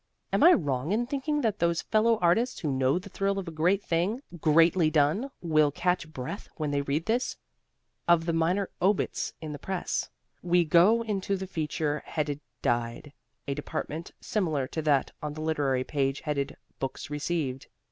Am I wrong in thinking that those fellow artists who know the thrill of a great thing greatly done will catch breath when they read this, of the minor obits in the press We go into the feature headed "Died," a department similar to that on the literary page headed "Books Received."